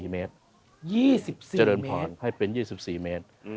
๒๔เมตรอเจมส์จะเดินผ่อนให้เป็น๒๔เมตร